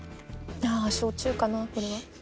焼酎かなこれは。